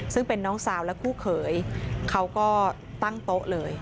ซึ่งเป็นน้องสาวและคู่เขยเขาก็ตั้งโต๊ะเลย